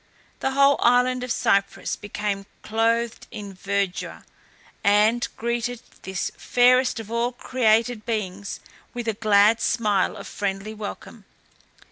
The whole island of Cyprus became clothed with verdure, and greeted this fairest of all created beings with a glad smile of friendly welcome.